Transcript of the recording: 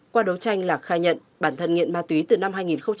qua đấu tranh lạc khai nhận bản thân nghiện ma túy từ năm hai nghìn một mươi